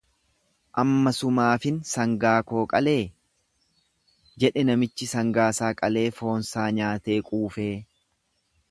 Ammasumaafin sangaa koo qalee? jedhe namichi sangaasaa qalee foonsaa nyaatee quufee.